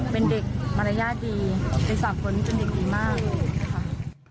เป็นเด็กมารยาทดีเป็นสามคนนี้เป็นเด็กดีมากค่ะ